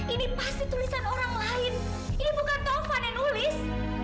ini pasti tulisan orang lain ini bukan taufan yang nulis